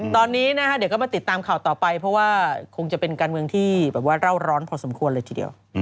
ตอนนี้นะคะเดี๋ยวก็มาติดตามข่าวต่อไปเพราะว่าคงจะเป็นการเมืองที่แบบว่าเล่าร้อนพอสมควรเลยทีเดียว